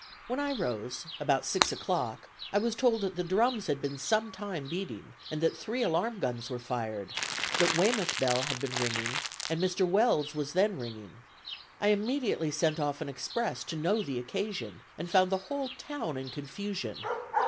When I rose, about six o'clock, I was told that the drums had been some time beating, and that three alarm guns were fired; that Weymouth bell had been ringing, and Mr. Weld's was then ringing. I immediately sent off an express to know the occasion, and found the whole town in confusion.